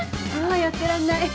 あやってらんない。